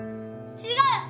違う。